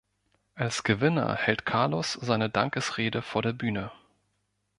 Als Gewinner hält Carlos seine Dankesrede vor der Bühne.